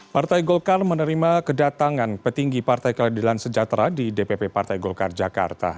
partai golkar menerima kedatangan petinggi partai keadilan sejahtera di dpp partai golkar jakarta